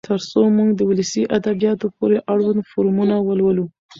تر څو موږ د ولسي ادبياتو پورې اړوند فورمونه ولولو.